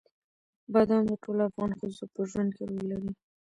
بادام د ټولو افغان ښځو په ژوند کې رول لري.